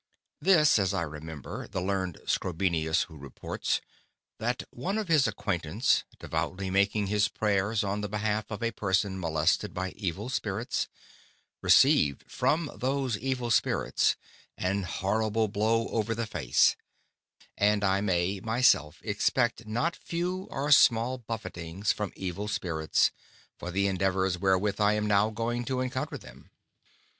'Tis, as I remember, the Learned Scribonius, who reports, That one of his Acquaintance, devoutly making his Prayers on the behalf of a Person molested by Evil Spirits, received from those Evil Spirits an horrible Blow over the Face: And I may my self expect not few or small Buffetings from Evil Spirits, for the Endeavours wherewith I am now going to encounter them.